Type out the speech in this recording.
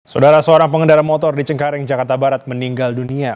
saudara seorang pengendara motor di cengkareng jakarta barat meninggal dunia